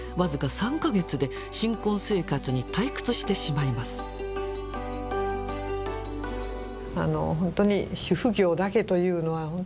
本当に主婦業だけというのは本当につまらないんですよね。